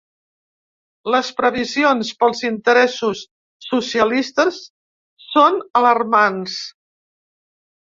Les previsions pels interessos socialistes són alarmants.